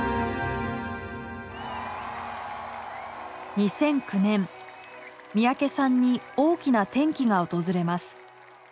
２００９年三宅さんに大きな転機が訪れます。